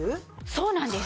そうなんです。